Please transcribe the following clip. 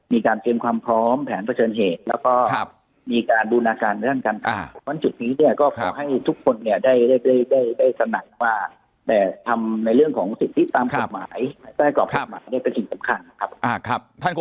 มีการเตรียมความพร้อมแผนเผชิญเหตุแล้วก็มีการบูรณาการเงื่อนกัน